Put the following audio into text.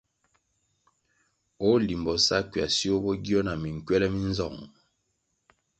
O Limbo sa Ckwasio bo gio nah minkywèlè mi nzong ?